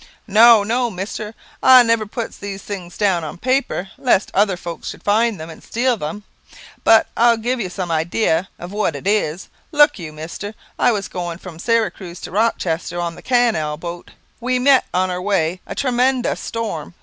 "No no, mister; I never puts these things down on paper, lest other folk should find them and steal them. But I'll give you some idee of what it is. Look you, mister. I was going from Syracuse to Rochester, on the canal boat. We met on our way a tre men dous storm.